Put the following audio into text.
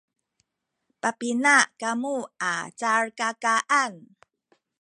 papina kamu a calkakaan?